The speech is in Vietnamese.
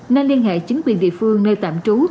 nên liên hệ chính quyền địa phương nơi tạm trú